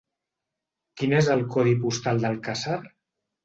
Quin és el codi postal d'Alcàsser?